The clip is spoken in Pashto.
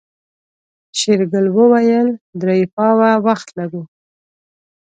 شېرګل وويل درې پاوه وخت لرو.